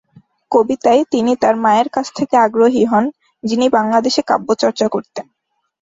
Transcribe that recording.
কবিতায় তিনি তার মায়ের কাছ থেকে আগ্রহী হন যিনি বাংলাদেশে কাব্য চর্চা করতেন।